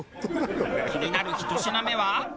気になる１品目は。